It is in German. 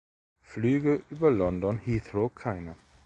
Flüge über London Heathrow keine.